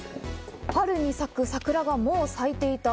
春に咲く桜がもう咲いていた。